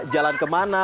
jalan ke mana